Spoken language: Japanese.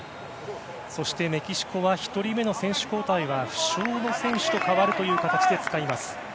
そして、メキシコは１人目の選手交代は負傷の選手と代わるという形で使います。